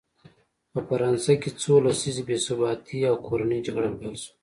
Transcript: په فرانسه کې څو لسیزې بې ثباتي او کورنۍ جګړه پیل شوه.